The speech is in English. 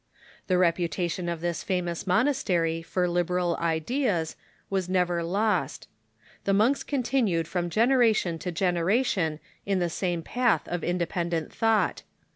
The reputation of this famous monastery for liberal ideas was never lost. The monks continued from generation to genera tion in the same path of independent thought.